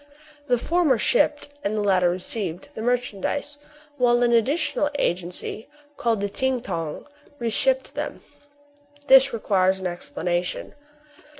The for mer shipped, and the latter received, the merchan dise; while an additional agency, called the Ting Tong, re shipped them. This requires an explanation.